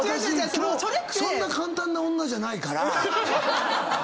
「私そんな簡単な女じゃないから」